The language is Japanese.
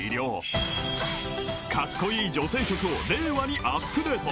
［カッコイイ女性曲を令和にアップデート］